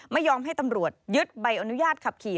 ไม่ยอมให้ตำรวจยึดใบอนุญาตขับขี่